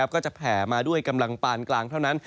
แผ่มาด้วยกำลังปานกลางเท่านั้น